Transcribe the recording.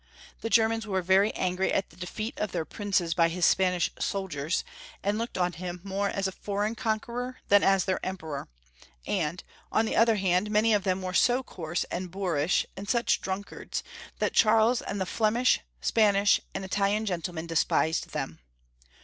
The Germans were very angry at the defeat of their princes by his Spanish soldiers, and looked on him more as a foreign conqueror than as their Emperor ; and, on the other hand, many of them were so coarse and boorish, and such drunkards, that Charles, and the Flemish, Spanish, and Italian gentlemen despised them.